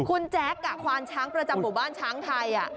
คุณแจ๊คควานช้างประจำหมู่บ้านช้างไทย